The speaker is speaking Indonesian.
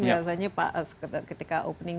rasanya ketika opening